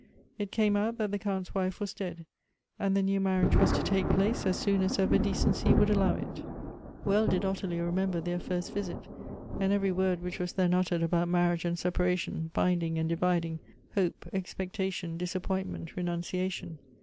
It came out that the Count's 'wife was dead, and the new marriage was to take place as soon as ever decency would allow it. "Well did Ottilie i emember their first visit, and eveiy word which was then uttered about marriage and sep aration, binding and dividing, hope, expectation, disap pointment, renunciation.